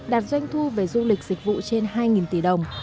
đạt doanh thu về du lịch dịch vụ trên hai tỷ đồng